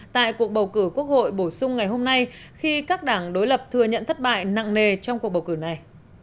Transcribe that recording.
tại cuộc bầu cử quốc hội bổ sung ngày hôm nay khi các đảng đối lập thừa nhận thất bại nặng nề trong cuộc bầu cử này